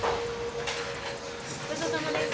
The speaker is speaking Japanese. ごちそうさまです。